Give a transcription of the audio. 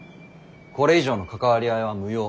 これ以上の関わり合いは無用。